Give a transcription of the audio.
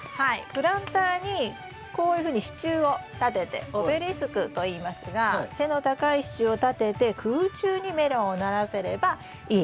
プランターにこういうふうに支柱を立ててオベリスクといいますが背の高い支柱を立てて空中にメロンをならせればいい。